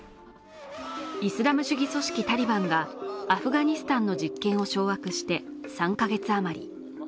イスラム主義組織タリバンがアフガニスタンの実権を掌握して３カ月余り。